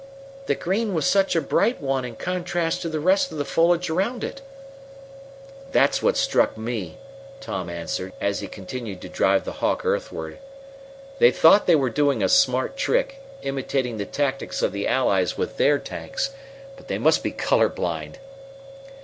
"The green was such a bright one in contrast to the rest of the foliage around it.' "That's what struck me," Tom answered, as he continued to drive the Hawk earthward. "They thought they were doing a smart trick imitating the tactics of the Allies with their tanks but they must be color blind."